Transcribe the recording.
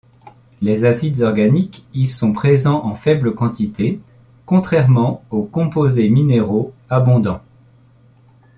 Les acides organiques y sont présents en faible quantité, contrairement aux composés minéraux, abondants.